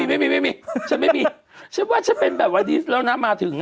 ไม่มีไม่มีฉันไม่มีฉันว่าฉันเป็นแบบว่าดิสแล้วนะมาถึง